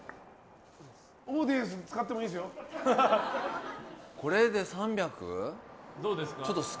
オーディエンス使ってもこれで３００？